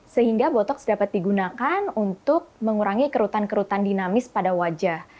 sehingga botoks dapat digunakan untuk mengurangi kerutan kerutan dinamis pada wajah